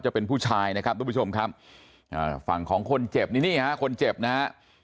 จะเป็นผู้ชายนะครับทุกผู้ชมครับอ่าฝั่งของคนเจ็บนี่นี่ฮะคนเจ็บนะฮะ